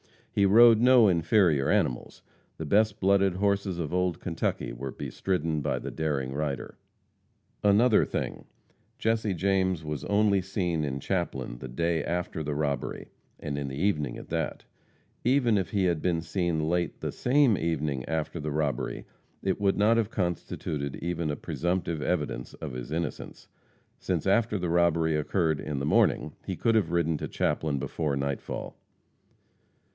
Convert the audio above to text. He rode no inferior animals the best blooded horses of old Kentucky were bestridden by the daring raider. Another thing: Jesse James was only seen in Chaplin the day after the robbery, and in the evening at that; even if he had been seen late the same evening after the robbery, it would not have constituted even a presumptive evidence of his innocence, since after the robbery occurred in the morning he could have ridden to Chaplin before nightfall.